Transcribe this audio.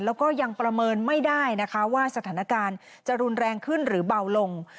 แล้วก็ยังประเมินไม่ได้นะคะว่าสถานการณ์จะรุนแรงขึ้นหรือเบาลง